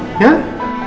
aku akan menang